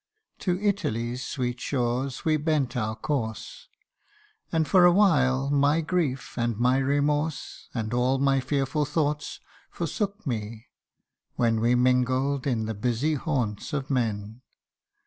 To Italy's sweet shores we bent our course ; And for a while my grief and my remorse, And all my fearful thoughts, forsook me, when We mingled in the busy haunts of men.